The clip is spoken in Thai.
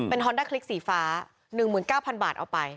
ฮอนด้าคลิกสีฟ้า๑๙๐๐บาทเอาไป